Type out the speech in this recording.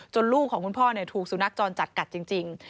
ลูกของคุณพ่อถูกสุนัขจรจัดกัดจริง